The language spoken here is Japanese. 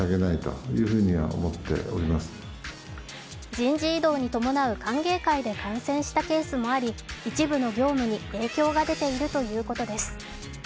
人事異動に伴う歓迎会で感染したケースもあり一部の業務に影響が出ているということです。